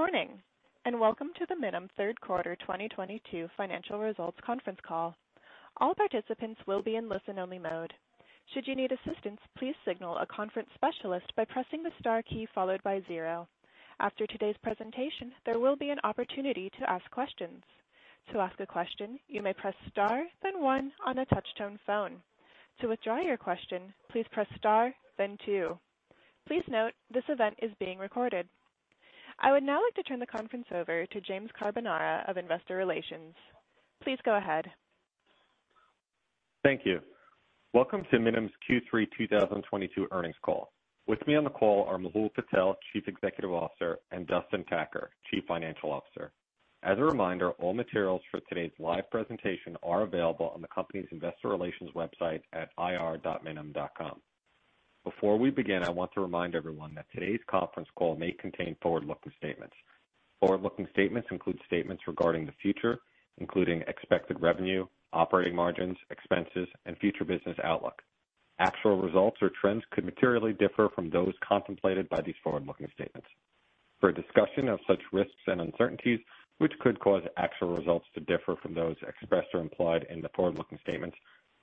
Good morning, and welcome to the Minim third quarter 2022 financial results conference call. All participants will be in listen-only mode. Should you need assistance, please signal a conference specialist by pressing the star key followed by zero. After today's presentation, there will be an opportunity to ask questions. To ask a question, you may press star, then one on a touch-tone phone. To withdraw your question, please press star then two. Please note this event is being recorded. I would now like to turn the conference over to James Carbonara of Investor Relations. Please go ahead. Thank you. Welcome to Minim's Q3 2022 earnings call. With me on the call are Mehul Patel, Chief Executive Officer, and Dustin Tacker, Chief Financial Officer. As a reminder, all materials for today's live presentation are available on the company's investor relations website at ir.minim.com. Before we begin, I want to remind everyone that today's conference call may contain forward-looking statements. Forward-looking statements include statements regarding the future, including expected revenue, operating margins, expenses, and future business outlook. Actual results or trends could materially differ from those contemplated by these forward-looking statements. For a discussion of such risks and uncertainties which could cause actual results to differ from those expressed or implied in the forward-looking statements,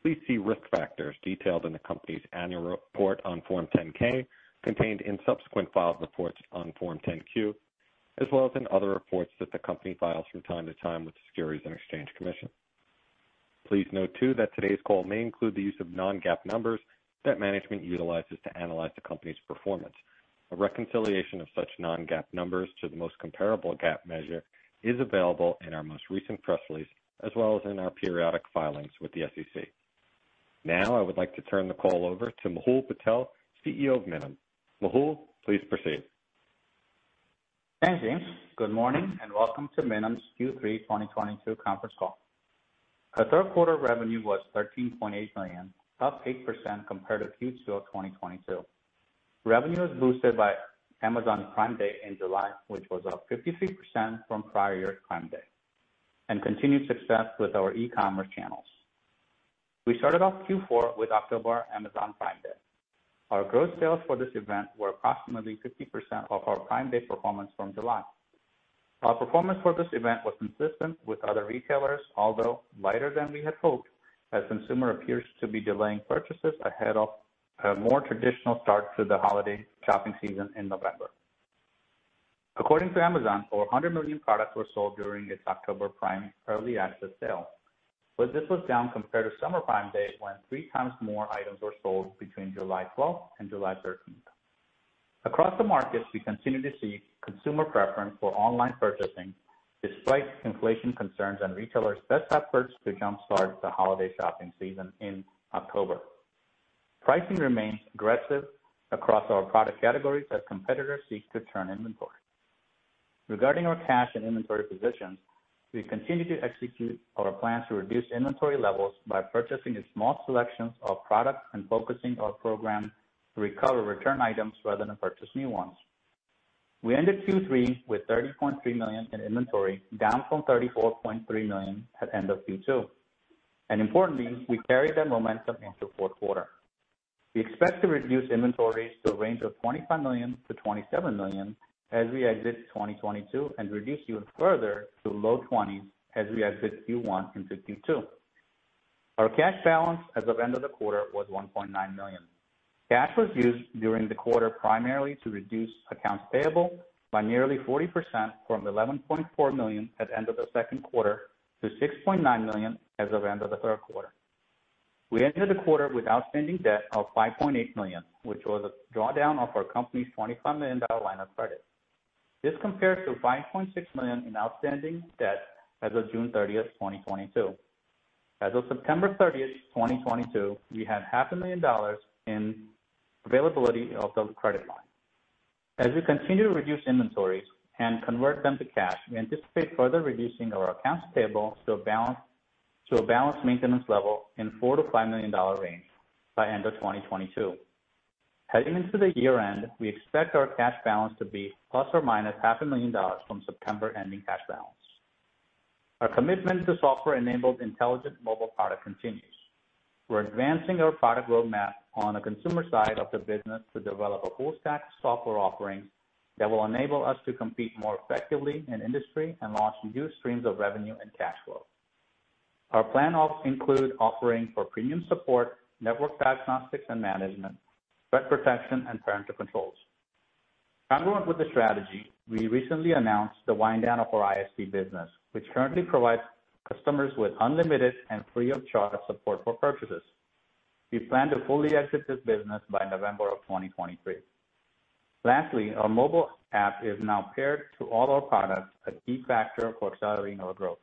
please see risk factors detailed in the company's annual report on Form 10-K, contained in subsequent filed reports on Form 10-Q, as well as in other reports that the company files from time to time with the Securities and Exchange Commission. Please note too that today's call may include the use of non-GAAP numbers that management utilizes to analyze the company's performance. A reconciliation of such non-GAAP numbers to the most comparable GAAP measure is available in our most recent press release, as well as in our periodic filings with the SEC. Now I would like to turn the call over to Mehul Patel, CEO of Minim. Mehul, please proceed. Thanks, James. Good morning and welcome to Minim's Q3 2022 conference call. Our third quarter revenue was $13.8 million, up 8% compared to Q2 of 2022. Revenue was boosted by Amazon Prime Day in July, which was up 53% from prior year's Prime Day, and continued success with our e-commerce channels. We started off Q4 with October Amazon Prime Day. Our gross sales for this event were approximately 50% of our Prime Day performance from July. Our performance for this event was consistent with other retailers, although lighter than we had hoped, as consumers appear to be delaying purchases ahead of a more traditional start to the holiday shopping season in November. According to Amazon, over 100 million products were sold during its October Prime Early Access sale, but this was down compared to summer Prime Day, when 3 times more items were sold between July twelfth and July thirteenth. Across the markets, we continue to see consumer preference for online purchasing despite inflation concerns and retailers' best efforts to jump-start the holiday shopping season in October. Pricing remains aggressive across our product categories as competitors seek to turn inventory. Regarding our cash and inventory positions, we continue to execute our plan to reduce inventory levels by purchasing a small selection of products and focusing our program to recover return items rather than purchase new ones. We ended Q3 with $30.3 million in inventory, down from $34.3 million at end of Q2. Importantly, we carry that momentum into fourth quarter. We expect to reduce inventories to a range of $25 million-$27 million as we exit 2022 and reduce even further to low 20s as we exit Q1 into Q2. Our cash balance as of the end of the quarter was $1.9 million. Cash was used during the quarter primarily to reduce accounts payable by nearly 40% from $11.4 million at the end of the second quarter to $6.9 million as of the end of the third quarter. We entered the quarter with outstanding debt of $5.8 million, which was a drawdown of our company's $25 million line of credit. This compares to $5.6 million in outstanding debt as of June 30, 2022. As of September 30, 2022, we have $500,000 in availability of the credit line. As we continue to reduce inventories and convert them to cash, we anticipate further reducing our accounts payable to a balance maintenance level in $4million-$5 million range by end of 2022. Heading into the year-end, we expect our cash balance to be ± $500,00 from September ending cash balance. Our commitment to software-enabled intelligent mobile product continues. We're advancing our product roadmap on the consumer side of the business to develop a full stack software offering that will enable us to compete more effectively in industry and launch new streams of revenue and cash flow. Our plan also include offerings for premium support, network diagnostics and management, threat protection, and parental controls. Congruent with the strategy, we recently announced the wind down of our ISP business, which currently provides customers with unlimited and free of charge support for purchases. We plan to fully exit this business by November 2023. Lastly, our mobile app is now paired to all our products, a key factor for accelerating our growth.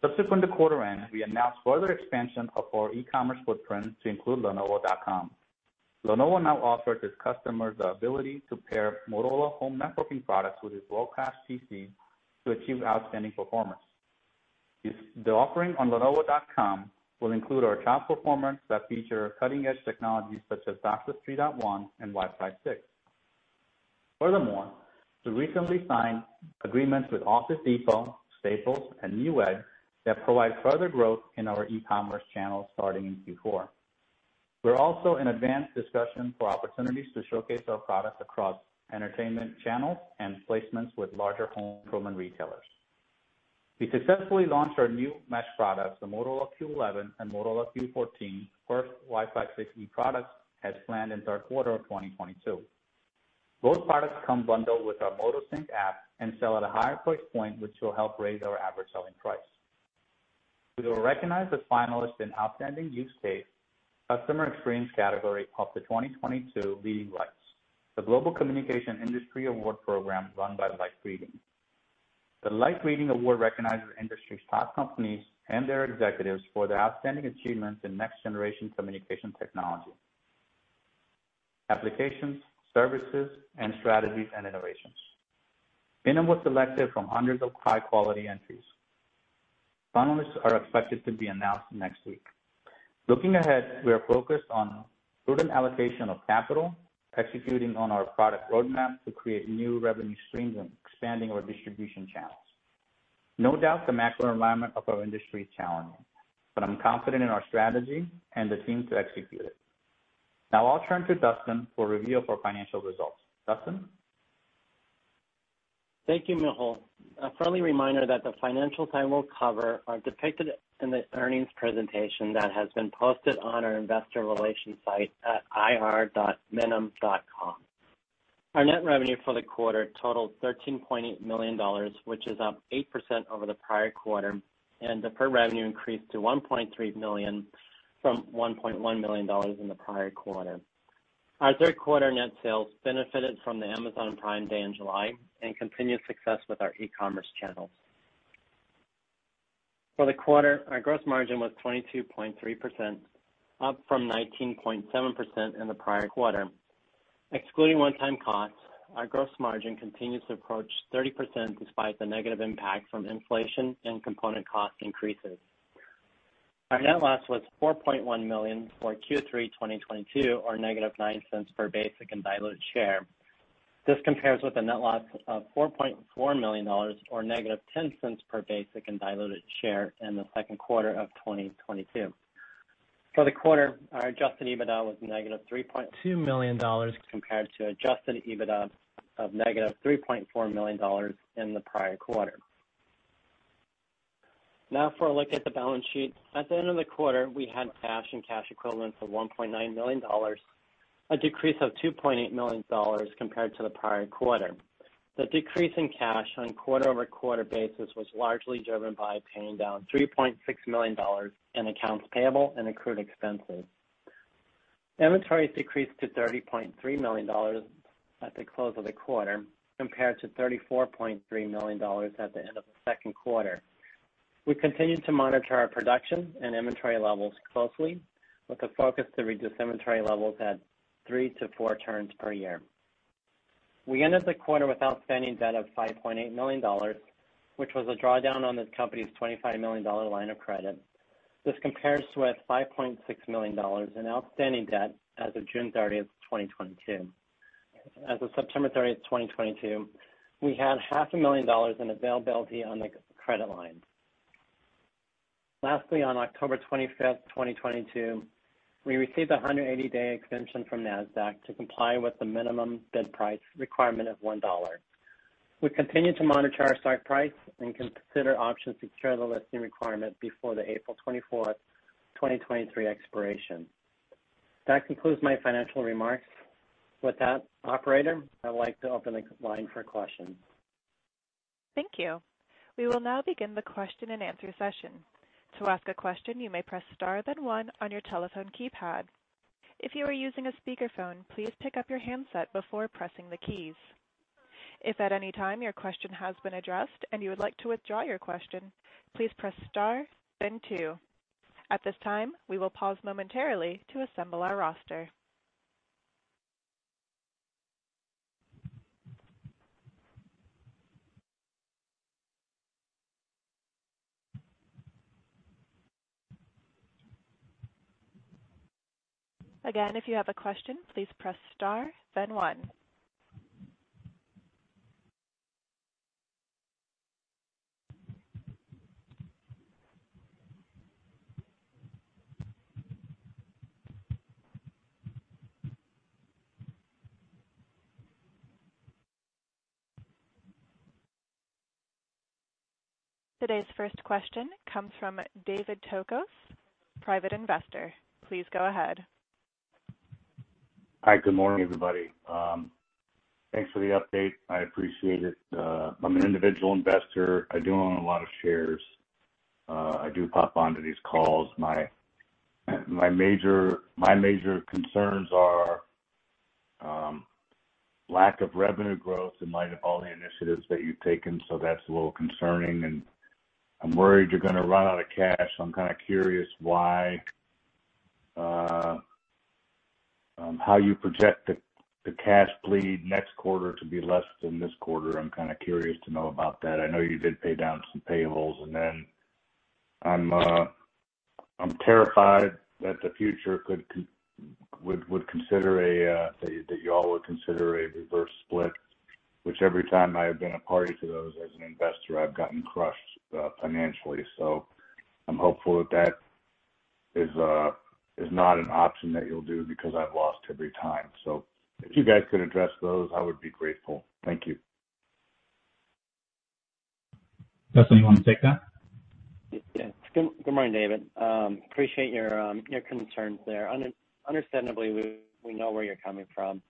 Subsequent to quarter end, we announced further expansion of our e-commerce footprint to include lenovo.com. Lenovo now offers its customers the ability to pair Motorola home networking products with its world-class PCs to achieve outstanding performance. The offering on lenovo.com will include our top performance that feature cutting-edge technologies such as DOCSIS 3.1 and Wi-Fi 6. Furthermore, we recently signed agreements with Office Depot, Staples, and Newegg that provide further growth in our e-commerce channels starting in Q4. We're also in advanced discussions for opportunities to showcase our products across entertainment channels and placements with larger home improvement retailers. We successfully launched our new mesh products, the Motorola Q11 and Motorola Q14, first Wi-Fi 6E products, as planned in third quarter of 2022. Both products come bundled with our Moto Sync app and sell at a higher price point, which will help raise our average selling price. We were recognized as finalists in Outstanding Use Case, Customer Experience category of the 2022 Leading Lights, the global communication industry award program run by Light Reading. The Light Reading Award recognizes the industry's top companies and their executives for their outstanding achievements in next-generation communication technology, applications, services, and strategies and innovations. Minim was selected from hundreds of high-quality entries. Finalists are expected to be announced next week. Looking ahead, we are focused on prudent allocation of capital, executing on our product roadmap to create new revenue streams, and expanding our distribution channels. No doubt, the macro environment of our industry is challenging, but I'm confident in our strategy and the team to execute it. Now I'll turn to Dustin for a review of our financial results. Dustin? Thank you, Mehul. A friendly reminder that the financials I will cover are depicted in the earnings presentation that has been posted on our investor relations site at ir.minim.com. Our net revenue for the quarter totaled $13.8 million, which is up 8% over the prior quarter, and the IP revenue increased to $1.3 million from $1.1 million in the prior quarter. Our third quarter net sales benefited from the Amazon Prime Day in July and continued success with our e-commerce channels. For the quarter, our gross margin was 22.3%, up from 19.7% in the prior quarter. Excluding one-time costs, our gross margin continues to approach 30% despite the negative impact from inflation and component cost increases. Our net loss was $4.1 million for Q3 2022, or -$0.09 per basic and diluted share. This compares with a net loss of $4.4 million or -$0.10 per basic and diluted share in the second quarter of 2022. For the quarter, our Adjusted EBITDA was -$3.2 million compared to Adjusted EBITDA of -$3.4 million in the prior quarter. Now for a look at the balance sheet. At the end of the quarter, we had cash and cash equivalents of $1.9 million, a decrease of $2.8 million compared to the prior quarter. The decrease in cash on a quarter-over-quarter basis was largely driven by paying down $3.6 million in accounts payable and accrued expenses. Inventories decreased to $30.3 million at the close of the quarter compared to $34.3 million at the end of the second quarter. We continue to monitor our production and inventory levels closely with a focus to reduce inventory levels at three to four turns per year. We ended the quarter with outstanding debt of $5.8 million, which was a drawdown on the company's $25 million-dollar line of credit. This compares to $5.6 million in outstanding debt as of June 30, 2022. As of September 30, 2022, we had $500,00 in availability on the credit line. Lastly, on October 25, 2022, we received a 180-day extension from Nasdaq to comply with the minimum bid price requirement of $1. We continue to monitor our stock price and consider options to cure the listing requirement before the April 24th, 2023 expiration. That concludes my financial remarks. With that, operator, I would like to open the line for questions. Thank you. We will now begin the question-and-answer session. To ask a question, you may press star then one on your telephone keypad. If you are using a speakerphone, please pick up your handset before pressing the keys. If at any time your question has been addressed and you would like to withdraw your question, please press star then two. At this time, we will pause momentarily to assemble our roster. Again, if you have a question, please press star then one. Today's first question comes from David Tokos, Private Investor. Please go ahead. Hi. Good morning, everybody. Thanks for the update. I appreciate it. I'm an individual investor. I don't own a lot of shares. I do pop onto these calls. My major concerns are lack of revenue growth in light of all the initiatives that you've taken, so that's a little concerning. I'm worried you're gonna run out of cash, so I'm kinda curious how you project the cash bleed next quarter to be less than this quarter. I'm kinda curious to know about that. I know you did pay down some payables. I'm terrified that you all would consider a reverse split. Which every time I have been a party to those as an investor, I've gotten crushed financially. I'm hopeful that is not an option that you'll do because I've lost every time. If you guys could address those, I would be grateful. Thank you. Dustin, you wanna take that? Yes. Good morning, David. Appreciate your concerns there. Understandably, we know where you're coming from.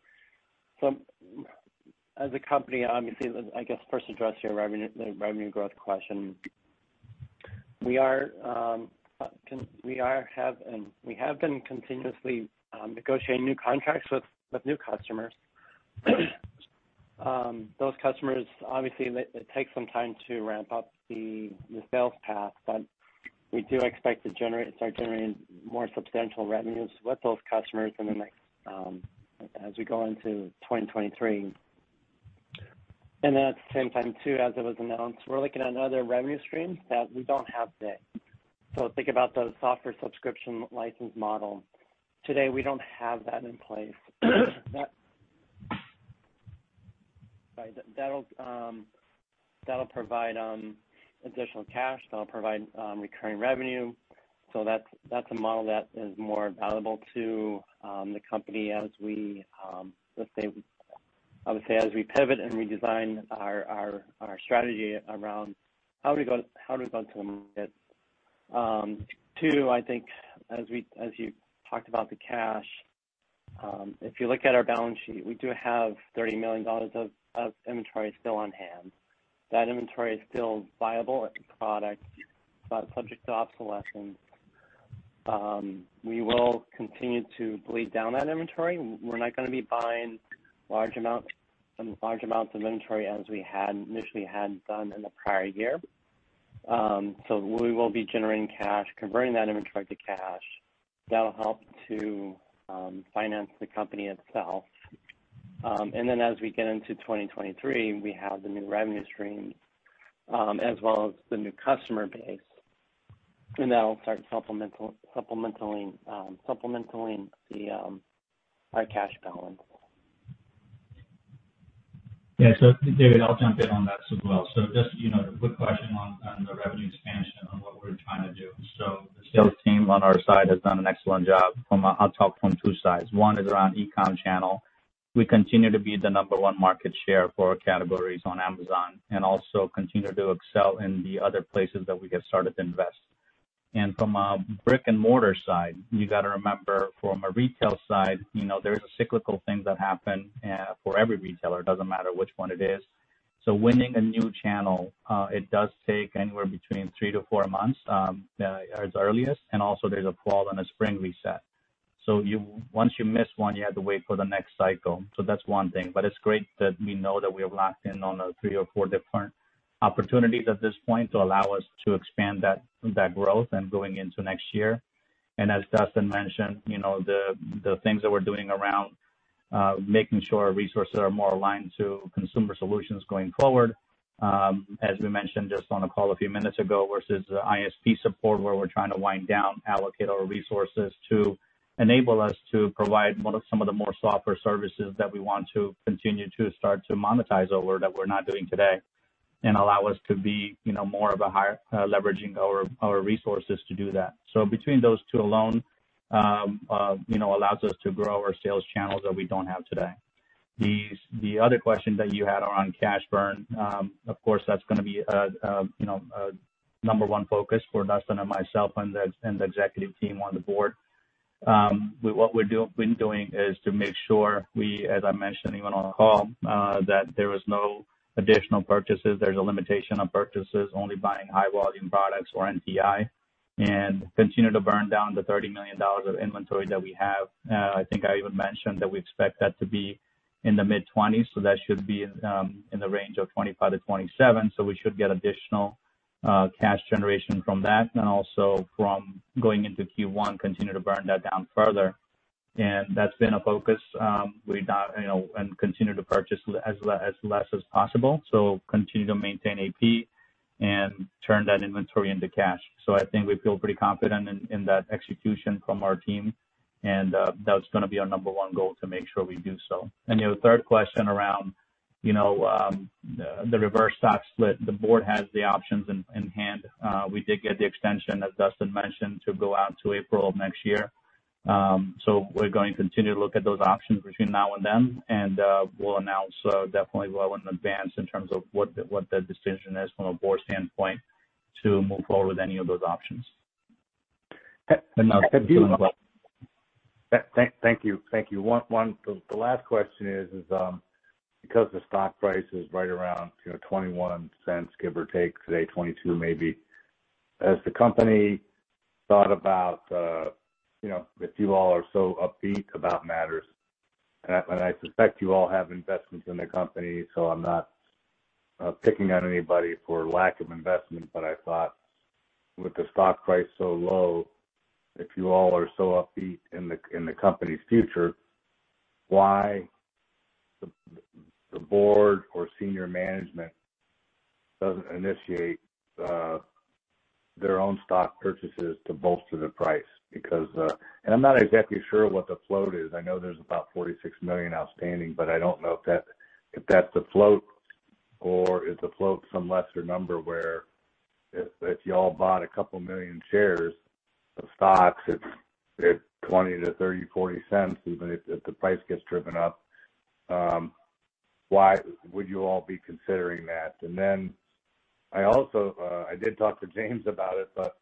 As a company, obviously, I guess first address your revenue growth question. We have been continuously negotiating new contracts with new customers. Those customers, obviously, it takes some time to ramp up the sales path, but we do expect to start generating more substantial revenues with those customers in the next, as we go into 2023. At the same time too, as it was announced, we're looking at other revenue streams that we don't have today. Think about the software subscription license model. Today, we don't have that in place. That'll provide additional cash, that'll provide recurring revenue. That's a model that is more valuable to the company as we let's say, I would say, as we pivot and redesign our strategy around how we go to market. Too, I think as you talked about the cash, if you look at our balance sheet, we do have $30 million of inventory still on hand. That inventory is still viable as a product, but subject to obsolescence. We will continue to bleed down that inventory. We're not gonna be buying large amounts of inventory as we had initially done in the prior year. We will be generating cash, converting that inventory to cash. That'll help to finance the company itself. As we get into 2023, we have the new revenue streams, as well as the new customer base, and that will start supplementing our cash balance. Yeah. David, I'll jump in on that as well. Just, you know, a quick question on the revenue expansion on what we're trying to do. The sales team on our side has done an excellent job from a. I'll talk from two sides. One is around e-com channel. We continue to be the number one market share for our categories on Amazon and also continue to excel in the other places that we've started to invest. From a brick and mortar side, you got to remember from a retail side, you know, there's a cyclical thing that happen for every retailer, it doesn't matter which one it is. Winning a new channel, it does take anywhere between three to four months at earliest, and also there's a fall and a spring reset. Once you miss one, you have to wait for the next cycle. That's one thing. It's great that we know that we are locked in on three or four different opportunities at this point to allow us to expand that growth and going into next year. As Dustin mentioned, you know, the things that we're doing around making sure our resources are more aligned to consumer solutions going forward, as we mentioned just on the call a few minutes ago, versus the ISP support, where we're trying to wind down, allocate our resources to enable us to provide one of some of the more software services that we want to continue to start to monetize over that we're not doing today and allow us to be, you know, more of a higher leveraging our resources to do that. Between those two alone, you know, allows us to grow our sales channels that we don't have today. The other question that you had are on cash burn. Of course, that's gonna be a you know, a number one focus for Dustin and myself and the executive team on the board. What we're been doing is to make sure we, as I mentioned even on the call, that there was no additional purchases. There's a limitation on purchases, only buying high volume products or NPI, and continue to burn down the $30 million of inventory that we have. I think I even mentioned that we expect that to be in the mid-20s, so that should be in the range of 25-27. We should get additional cash generation from that and also from going into Q1, continue to burn that down further. That's been a focus, we've done, you know, and continue to purchase as little as possible. Continue to maintain A/P and turn that inventory into cash. I think we feel pretty confident in that execution from our team. That's gonna be our number one goal to make sure we do so. You know, the third question around, you know, the reverse stock split. The board has the options in hand. We did get the extension, as Dustin mentioned, to go out to April of next year. We're going to continue to look at those options between now and then. We'll announce definitely well in advance in terms of what the decision is from a board standpoint to move forward with any of those options. Thank you. The last question is because the stock price is right around, you know, $0.21, give or take, today, $0.22 maybe. Has the company thought about, you know, if you all are so upbeat about matters, and I suspect you all have investments in the company, so I'm not picking on anybody for lack of investment. I thought with the stock price so low, if you all are so upbeat in the company's future, why the board or senior management doesn't initiate their own stock purchases to bolster the price because I'm not exactly sure what the float is. I know there's about 46 million outstanding, but I don't know if that's a float or is the float some lesser number where if you all bought a couple million shares of stock, it's 20 to 30, 40 cents, even if the price gets driven up, why would you all be considering that? I also did talk to James about it, but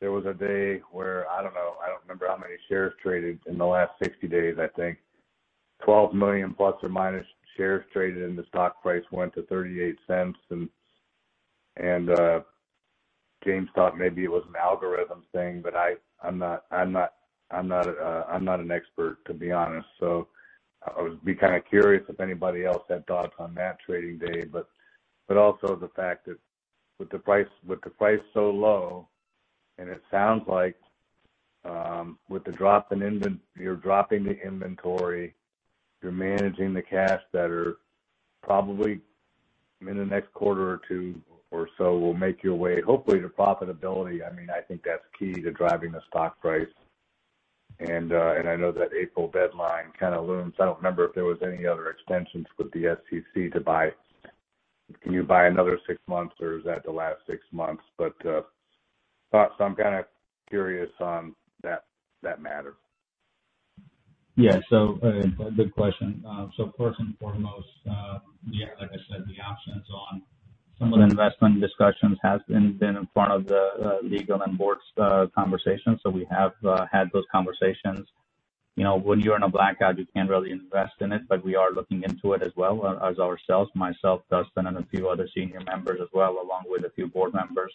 there was a day where I don't know, I don't remember how many shares traded in the last 60 days, I think. ±12 million shares traded, and the stock price went to $0.38. James thought maybe it was an algorithm thing, but I'm not an expert, to be honest. I would be kind of curious if anybody else had thoughts on that trading day, but also the fact that with the price so low, and it sounds like with the drop in inventory, you're dropping the inventory, you're managing the cash better, probably in the next quarter or two or so will make your way, hopefully, to profitability. I mean, I think that's key to driving the stock price. I know that April deadline kind of looms. I don't remember if there was any other extensions with the SEC to buy. Can you buy another six months, or is that the last six months? I'm kinda curious on that matter. Yeah. Good question. First and foremost, like I said, the options on some of the investment discussions has been in front of the legal and board's conversation. We have had those conversations. You know, when you're in a blackout, you can't really invest in it, but we are looking into it as well as ourselves, myself, Dustin, and a few other senior members as well, along with a few board members.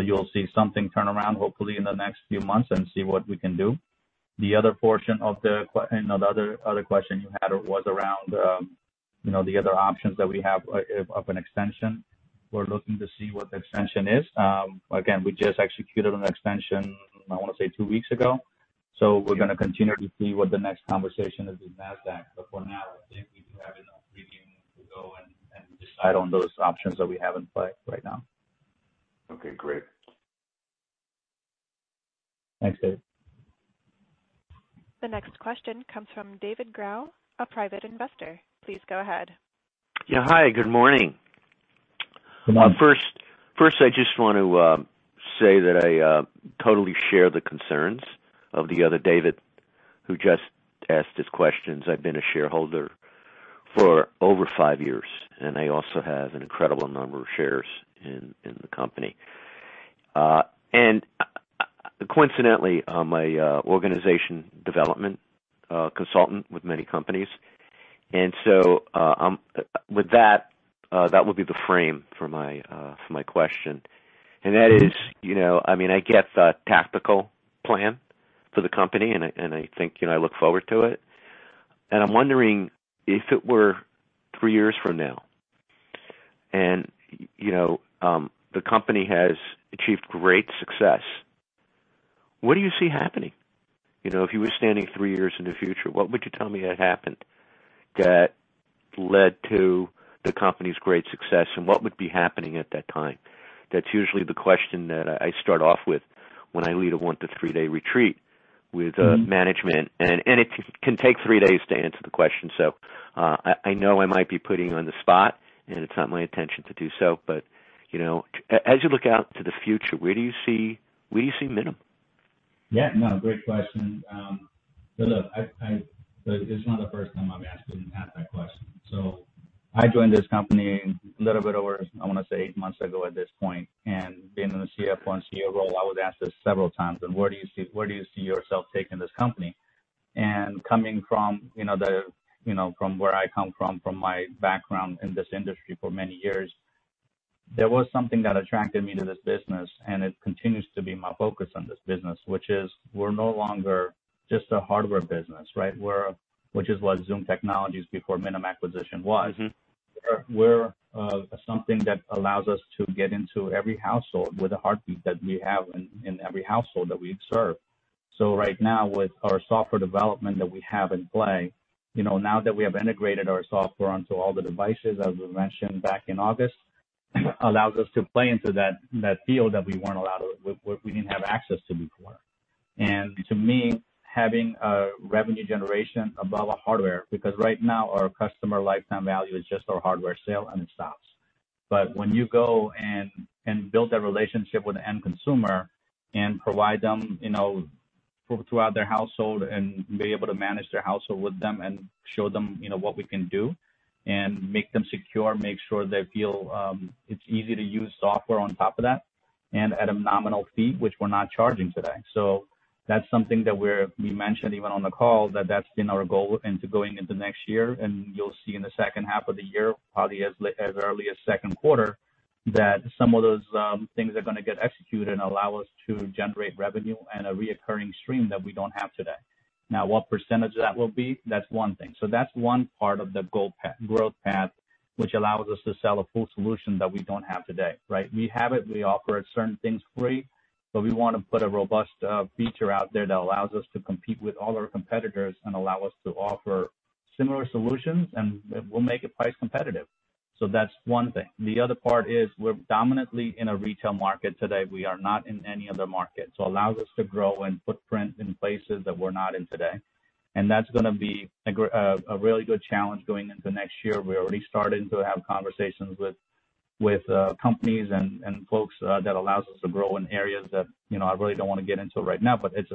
You'll see something turn around, hopefully in the next few months and see what we can do. The other portion and the other question you had was around, you know, the other options that we have of an extension. We're looking to see what the extension is. Again, we just executed an extension, I wanna say two weeks ago. We're gonna continue to see what the next conversation is with Nasdaq. For now, I think we do have enough breathing room to go and decide on those options that we have in play right now. Okay, great. Thanks, Dave. The next question comes from David Grau, a Private Investor. Please go ahead. Yeah. Hi, good morning. Good morning. First, I just want to say that I totally share the concerns of the other David who just asked his questions. I've been a shareholder for over five years, and I also have an incredible number of shares in the company. Coincidentally, I'm a organization development consultant with many companies. With that would be the frame for my question. That is, you know, I mean, I get the tactical plan for the company, and I think, you know, I look forward to it. I'm wondering if it were three years from now and, you know, the company has achieved great success, what do you see happening? You know, if you were standing three years in the future, what would you tell me had happened that led to the company's great success and what would be happening at that time? That's usually the question that I start off with when I lead a one- to three-day retreat with management. It can take three days to answer the question. I know I might be putting you on the spot, and it's not my intention to do so. You know, as you look out to the future, where do you see Minim? Yeah, no, great question. Look, it's not the first time I'm asked that question. I joined this company a little bit over, I wanna say, 8 months ago at this point. Being in the CFO and CEO role, I was asked this several times, and where do you see yourself taking this company? Coming from, you know, from where I come from my background in this industry for many years, there was something that attracted me to this business, and it continues to be my focus on this business, which is we're no longer just a hardware business, right? Which is what Zoom Telephonics before Minim acquisition was. Mm-hmm. We're something that allows us to get into every household with a heartbeat that we have in every household that we serve. Right now with our software development that we have in play, you know, now that we have integrated our software onto all the devices, as we mentioned back in August, allows us to play into that field that we weren't allowed or we didn't have access to before. To me, having a revenue generation above a hardware, because right now our customer lifetime value is just our hardware sale and it stops. When you go and build that relationship with the end consumer and provide them, you know, throughout their household and be able to manage their household with them and show them, you know, what we can do and make them secure, make sure they feel it's easy to use software on top of that and at a nominal fee, which we're not charging today. That's something that we mentioned even on the call that that's been our goal going into next year. You'll see in the second half of the year, probably as early as second quarter, that some of those things are gonna get executed and allow us to generate revenue and a recurring stream that we don't have today. Now, what percentage of that will be? That's one thing. That's one part of the growth path, which allows us to sell a full solution that we don't have today, right? We have it, we offer certain things free, but we wanna put a robust feature out there that allows us to compete with all our competitors and allow us to offer similar solutions, and we'll make it price competitive. That's one thing. The other part is we're predominantly in a retail market today. We are not in any other market, so allows us to grow our footprint in places that we're not in today. That's gonna be a really good challenge going into next year. We already started to have conversations with companies and folks that allows us to grow in areas that, you know, I really don't wanna get into right now, but it's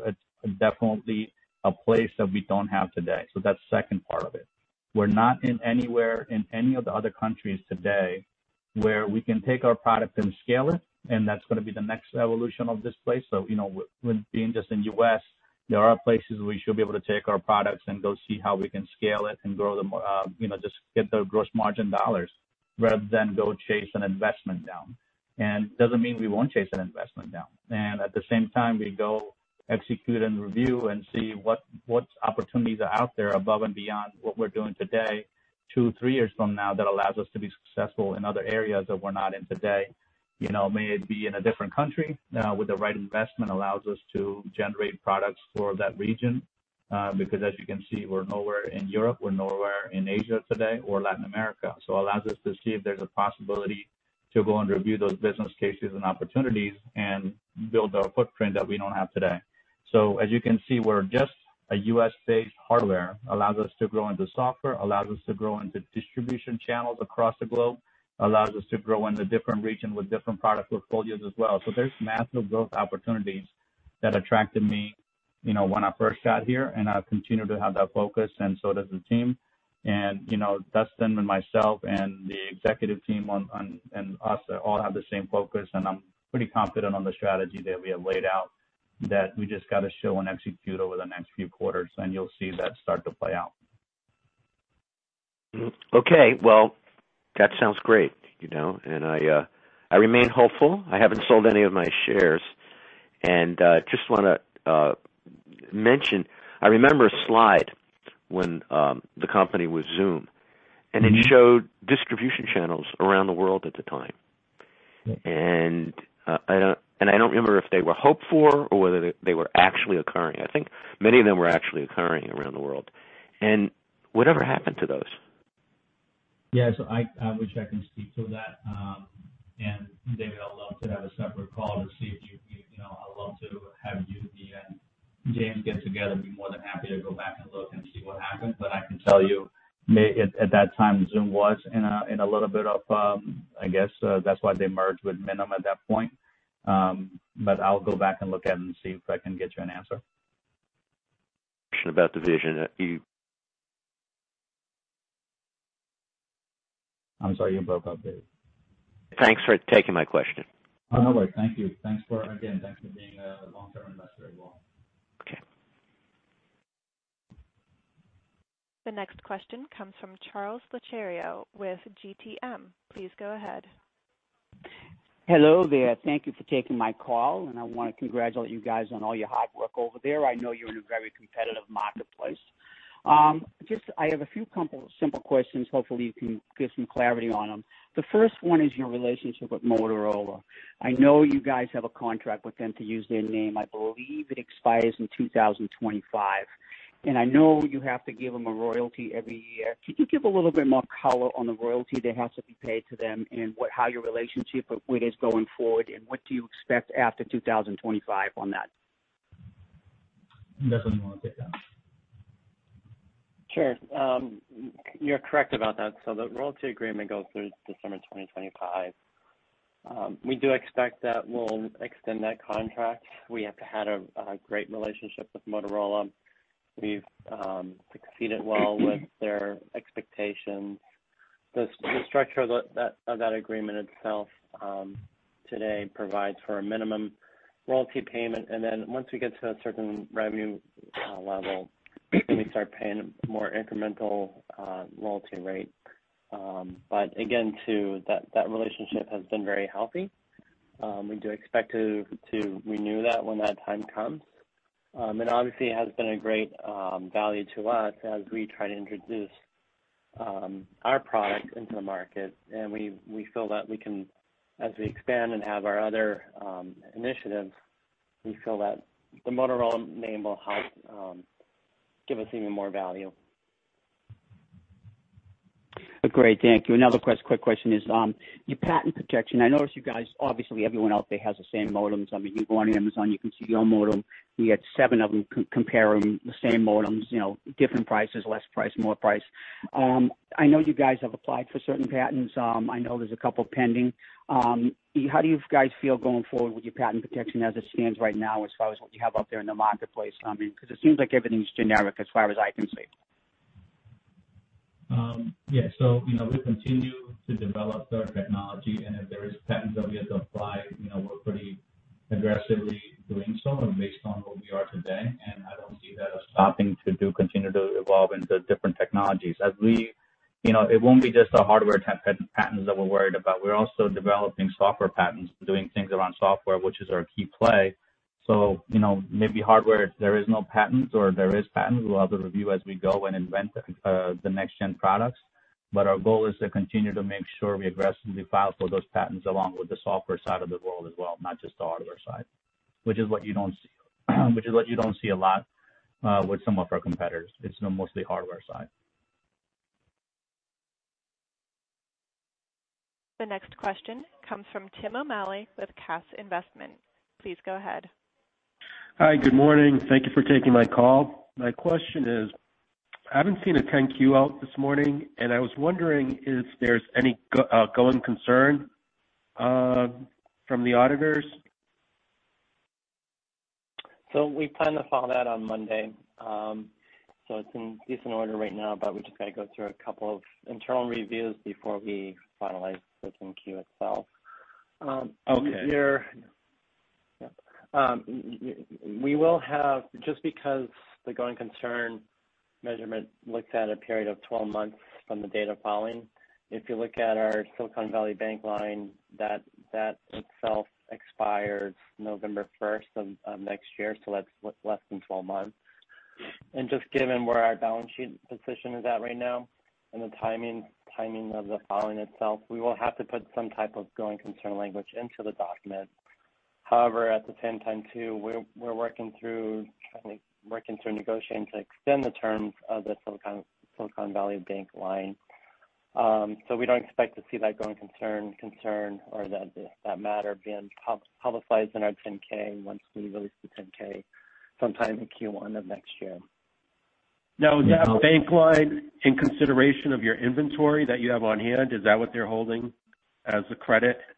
definitely a place that we don't have today. That's second part of it. We're not in anywhere in any of the other countries today where we can take our product and scale it, and that's gonna be the next evolution of this place. With being just in U.S., there are places we should be able to take our products and go see how we can scale it and grow them, you know, just get the gross margin dollars rather than go chase an investment down. Doesn't mean we won't chase an investment down. At the same time, we go execute and review and see what opportunities are out there above and beyond what we're doing today, two, three years from now, that allows us to be successful in other areas that we're not in today. You know, may it be in a different country, with the right investment allows us to generate products for that region, because as you can see, we're nowhere in Europe, we're nowhere in Asia today or Latin America. Allows us to see if there's a possibility to go and review those business cases and opportunities and build our footprint that we don't have today. As you can see, we're just a U.S.-based hardware, allows us to grow into software, allows us to grow into distribution channels across the globe, allows us to grow into different region with different product portfolios as well. There's massive growth opportunities that attracted me, you know, when I first got here, and I continue to have that focus and so does the team. You know, Dustin and myself and the executive team and us all have the same focus, and I'm pretty confident on the strategy that we have laid out that we just got to show and execute over the next few quarters, and you'll see that start to play out. Okay. Well, that sounds great, you know, and I remain hopeful. I haven't sold any of my shares. Just wanna mention, I remember a slide when the company was Zoom, and it showed distribution channels around the world at the time. I don't remember if they were hoped for or whether they were actually occurring. I think many of them were actually occurring around the world. Whatever happened to those? Yes, I wish I can speak to that. David, I'd love to have a separate call to see if you know, I'd love to have you, me, and James get together, be more than happy to go back and look and see what happened. I can tell you at that time, Zoom was in a little bit of, I guess, that's why they merged with Minim at that point. I'll go back and look at it and see if I can get you an answer. About the vision. I'm sorry, you broke up, Dave. Thanks for taking my question. Oh, no worry. Thank you. Again, thanks for being a long-term investor as well. Okay. The next question comes from Charles Lacario with GTM. Please go ahead. Hello there. Thank you for taking my call, and I wanna congratulate you guys on all your hard work over there. I know you're in a very competitive marketplace. Just, I have a few couple simple questions. Hopefully, you can give some clarity on them. The first one is your relationship with Motorola. I know you guys have a contract with them to use their name. I believe it expires in 2025. I know you have to give them a royalty every year. Could you give a little bit more color on the royalty that has to be paid to them and how your relationship with them is going forward, and what do you expect after 2025 on that? Dustin, you wanna take that? You're correct about that. The royalty agreement goes through December 2025. We do expect that we'll extend that contract. We have had a great relationship with Motorola. We've succeeded well with their expectations. The structure of that agreement itself today provides for a minimum royalty payment, and then once we get to a certain revenue level, then we start paying more incremental royalty rate. Again, too, that relationship has been very healthy. We do expect to renew that when that time comes. Obviously, it has been a great value to us as we try to introduce our product into the market. We feel that we can, as we expand and have our other initiatives, we feel that the Motorola name will help give us even more value. Great. Thank you. Another quick question is your patent protection. I noticed you guys. Obviously everyone out there has the same modems. I mean, you go on Amazon, you can see your modem. You got seven of them comparing the same modems, you know, different prices, less price, more price. I know you guys have applied for certain patents. I know there's a couple pending. How do you guys feel going forward with your patent protection as it stands right now, as far as what you have out there in the marketplace? I mean, 'cause it seems like everything's generic as far as I can see. You know, we continue to develop our technology, and if there is patents that we have to apply, you know, we're pretty aggressively doing so and based on where we are today, and I don't see that stopping to continue to evolve into different technologies. It won't be just the hardware tech patents that we're worried about. We're also developing software patents, doing things around software, which is our key play. You know, maybe hardware, there is no patents or there is patents. We'll have to review as we go and invent the next gen products. Our goal is to continue to make sure we aggressively file for those patents along with the software side of the world as well, not just the hardware side, which is what you don't see. Which is what you don't see a lot, with some of our competitors. It's mostly hardware side. The next question comes from Tim O'Malley with Cass Investment. Please go ahead. Hi. Good morning. Thank you for taking my call. My question is, I haven't seen a 10-Q out this morning, and I was wondering if there's any going concern from the auditors. We plan to file that on Monday. It's in decent order right now, but we just got to go through a couple of internal reviews before we finalize the 10-Q itself. Okay. We will have just because the going concern measurement looks at a period of 12 months from the date of filing, if you look at our Silicon Valley Bank line, that itself expires November first of next year. That's less than 12 months. Just given where our balance sheet position is at right now and the timing of the filing itself, we will have to put some type of going concern language into the document. However, at the same time too, we're working through negotiating to extend the terms of the Silicon Valley Bank line. We don't expect to see that going concern or that matter being publicized in our 10-K once we release the 10-K sometime in Q1 of next year. Now, is that bank line in consideration of your inventory that you have on hand? Is that what they're holding as a credit? Yes,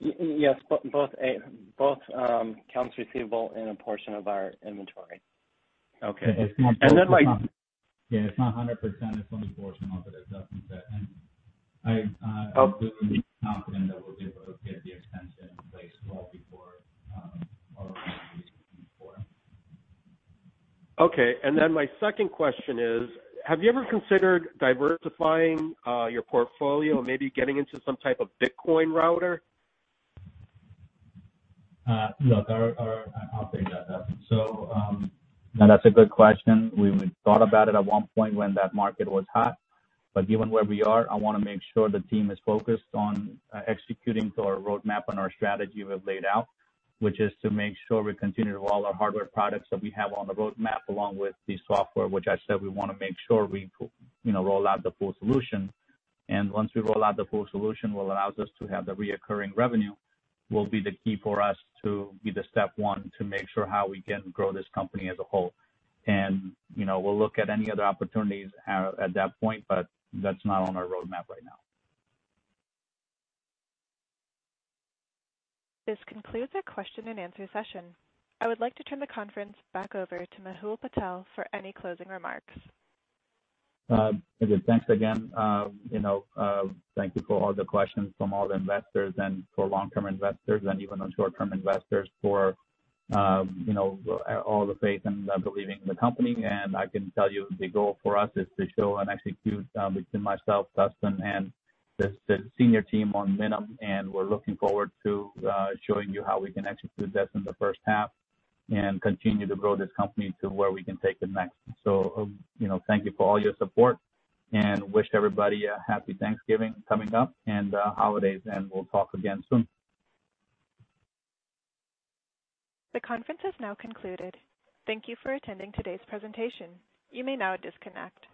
both accounts receivable and a portion of our inventory. Okay. Yeah, it's not 100%, it's only a portion of it, as Dustin said. I feel confident that we'll be able to get the extension in place well before our 2024. Okay. My second question is, have you ever considered diversifying your portfolio and maybe getting into some type of Bitcoin router? I'll take that, Dustin. No, that's a good question. We thought about it at one point when that market was hot. Given where we are, I wanna make sure the team is focused on executing to our roadmap and our strategy we've laid out, which is to make sure we continue all our hardware products that we have on the roadmap, along with the software, which I said we wanna make sure we, you know, roll out the full solution. Once we roll out the full solution, will allows us to have the recurring revenue, will be the key for us to be the step one to make sure how we can grow this company as a whole. You know, we'll look at any other opportunities at that point, but that's not on our roadmap right now. This concludes our question and answer session. I would like to turn the conference back over to Mehul Patel for any closing remarks. Good. Thanks again. You know, thank you for all the questions from all the investors and for long-term investors and even on short-term investors for, you know, all the faith and believing in the company. I can tell you the goal for us is to show and execute, between myself, Dustin and the senior team on Minim. We're looking forward to, showing you how we can execute this in the first half and continue to grow this company to where we can take it next. You know, thank you for all your support and wish everybody a happy Thanksgiving coming up and, holidays, and we'll talk again soon. The conference has now concluded. Thank you for attending today's presentation. You may now disconnect.